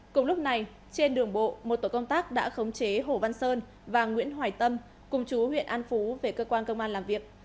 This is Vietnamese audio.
cùng lúc này trên đường bộ một tổ công tác đã khống chế hồ văn sơn và nguyễn hoài tâm cùng chú huyện an phú về cơ quan công an làm việc